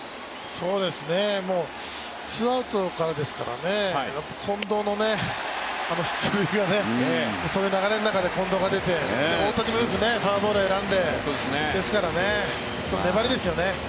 ツーアウトからですから、近藤のあの出塁が、そういう流れの中で近藤が出て大谷もよくフォアボールを選んでですから粘りですよね。